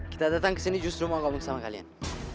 kita datang ke sini justru mau ngomong sama kalian